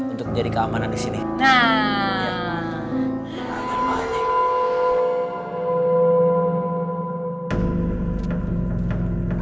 untuk menjadi keamanan di sini